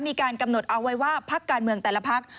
มีการกำหนดเอาไว้ว่าพักการเมืองแต่ละพัก